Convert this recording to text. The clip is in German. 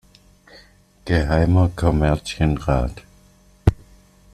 Geheimer Kommerzienrat.